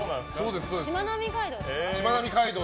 しまなみ海道？